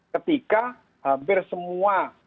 ketika hampir semua